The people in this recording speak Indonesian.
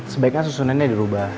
sebaiknya susunannya dirubah